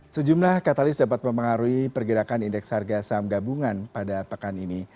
sejumlah katalis dapat mempengaruhi pergerakan indeks harga saham gabungan pada pekan ini